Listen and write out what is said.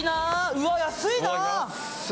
うわ安いな！